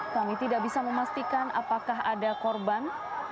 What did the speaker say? kami tidak bisa memastikan apakah ada korban